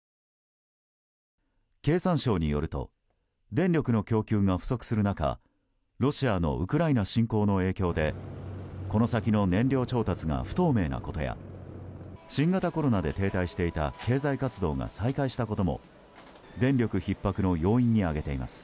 経産省によると電力の供給が不足する中ロシアのウクライナ侵攻の影響でこの先の燃料調達が不透明なことや新型コロナで停滞していた経済活動が再開したことも電力ひっ迫の要因に挙げています。